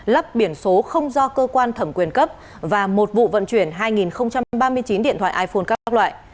lắp biển số không do cơ quan thẩm quyền cấp và một vụ vận chuyển hai ba mươi chín điện thoại iphone các loại